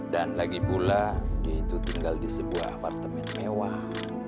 dan lagi pula dia itu tinggal di sebuah apartemen mewah